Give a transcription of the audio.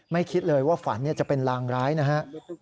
คิดเลยว่าฝันจะเป็นลางร้ายนะฮะ